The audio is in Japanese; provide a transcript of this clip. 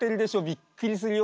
びっくりするよ！